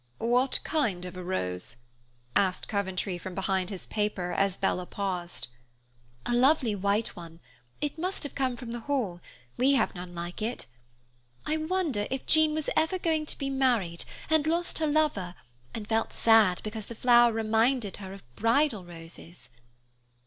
"What kind of a rose?" asked Coventry from behind his paper as Bella paused. "A lovely white one. It must have come from the Hall; we have none like it. I wonder if Jean was ever going to be married, and lost her lover, and felt sad because the flower reminded her of bridal roses."